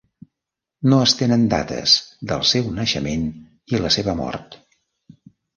No es tenen dates del seu naixement i la seva mort.